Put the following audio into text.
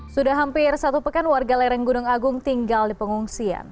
sudah hampir satu pekan warga lereng gunung agung tinggal di pengungsian